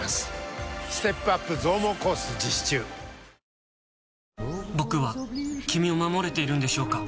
どうだ僕は君を守れているんでしょうか？